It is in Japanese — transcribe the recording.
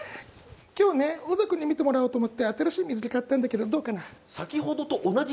今日ね小沢に見てもらおうと思って新しい水着買ったんだけどどうかな。